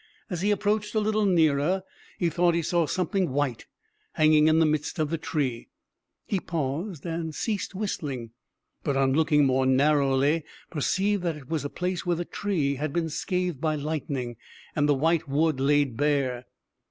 As he approached a little nearer, he thought he saw something white hanging in the midst of the tree: he paused, and ceased whistling; but, on looking more narrowly, perceived that it was a place where the tree had been scathed by lightning and the white wood laid bare.